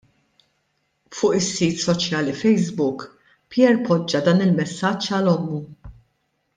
Fuq is-sit soċjali Facebook Pierre poġġa dan il-messaġġ għal ommu.